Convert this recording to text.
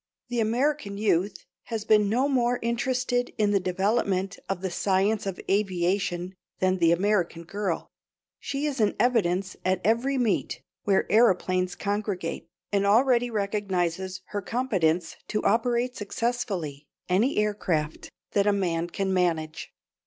The American youth has been no more interested in the development of the science of aviation than the American girl; she is in evidence at every meet where aëroplanes congregate, and already recognizes her competence to operate successfully any aircraft that a man can manage.